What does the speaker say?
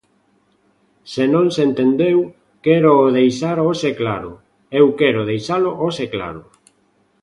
Se non se entendeu, quéroo deixar hoxe claro, eu quero deixalo hoxe claro.